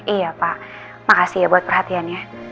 iya pak makasih ya buat perhatian ya